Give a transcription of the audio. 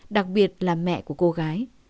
đặc biệt là mẹ của cô gái